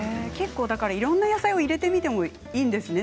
いろいろ野菜を入れてみてもいいんですね